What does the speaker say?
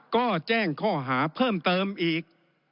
ก็แจ้งข้อหาเพิ่มเติมอีก